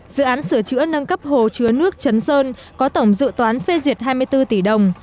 dự án sửa chữa nâng cấp hồ chứa nước chấn sơn có tổng dự toán phê duyệt hai mươi bốn tỷ đồng